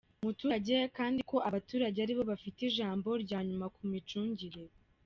muturage, kandi ko abaturage aribo bafite ijambo rya nyuma ku micungire